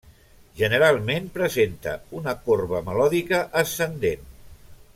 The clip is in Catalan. Generalment presenta una corba melòdica ascendent.